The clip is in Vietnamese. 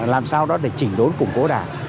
làm sao đó để chỉnh đốn củng cố đảng